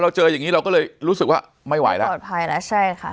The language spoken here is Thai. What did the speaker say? เจออย่างนี้เราก็เลยรู้สึกว่าไม่ไหวแล้วปลอดภัยแล้วใช่ค่ะ